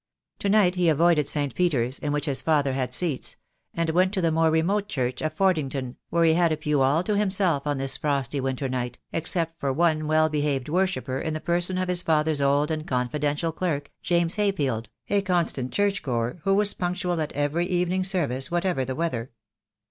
To night he avoided St. Peter's, in which his father had seats, and wrent to the more remote church of Fordington , where he had a pew all to himself on this frosty winter night, except for one well behaved worshipper in the person of his father's old and confidential clerk, James Hayfield, a constant The Day will come. I. 2 1 $2 2 THE DAY WILL COME. church goer, who was punctual at every evening service, whatever the weather.